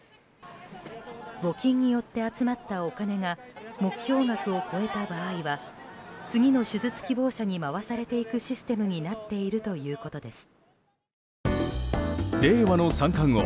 募金によって集まったお金が目標額を超えた場合は次の手術希望者に回されていくシステムになっているということです。